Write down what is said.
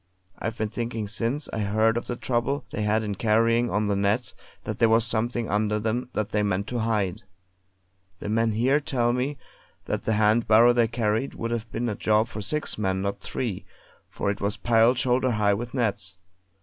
I've been thinking since I heard of the trouble they had in carrying on the nets, that there was something under them that they meant to hide. The men here tell me that the hand barrow they carried would have been a job for six men, not three, for it was piled shoulder high with nets.